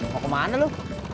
mau kemana lu